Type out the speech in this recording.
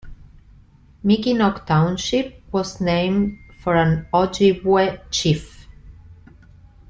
Mickinock Township was named for an Ojibwe chief.